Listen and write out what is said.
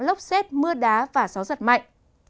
lốc xét mưa đá và gió giật mạnh